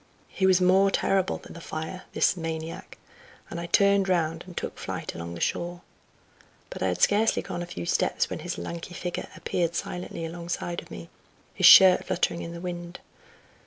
He was more terrible than the fire, this maniac, and I turned round and took to flight along the shore. But I had scarcely gone a few steps, when his lanky figure appeared silently alongside of me, his shirt fluttering in the wind.